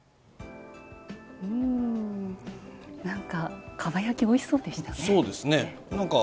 なんか、かば焼きおいしそうでしたね。